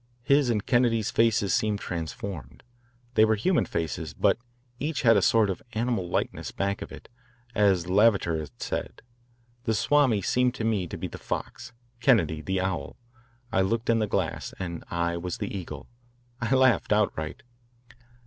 His and Kennedy's faces seemed transformed. They were human faces, but each had a sort of animal likeness back of it, as Lavater has said. The Swami seemed to me to be the fox, Kennedy the owl. I looked in the glass, and I was the eagle. I laughed outright.